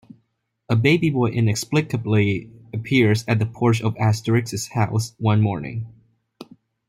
A baby boy inexplicably appears at the porch of Asterix's house one morning.